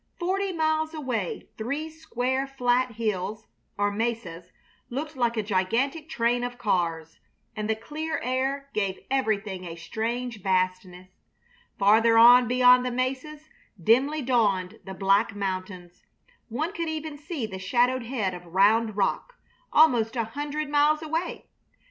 Forty miles away three square, flat hills, or mesas, looked like a gigantic train of cars, and the clear air gave everything a strange vastness. Farther on beyond the mesas dimly dawned the Black Mountains. One could even see the shadowed head of "Round Rock," almost a hundred miles away.